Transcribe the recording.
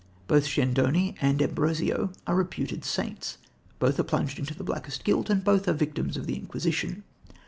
Both Schedoni and Ambrosio are reputed saints, both are plunged into the blackest guilt, and both are victims of the Inquisition.